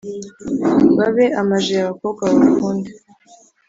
Babe amajeya abakobwa baba kunde